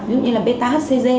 ví dụ như là bêta hcg